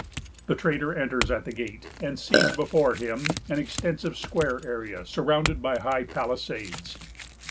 The trader enters at the gate, and sees before him an extensive square area, surrounded by high palisades.